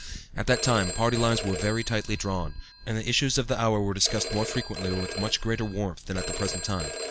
At that time party lines were very tightly drawn, and the issues of the hour were discussed more frequently and with much greater warmth than at the present time.